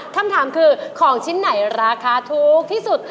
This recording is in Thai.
คำถามคือของชิ้นไหนราคาถูกที่สุด